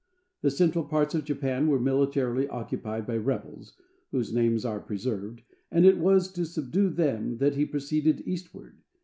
The central parts of Japan were militarily occupied by rebels (whose names are preserved), and it was to subdue them that he proceeded eastward.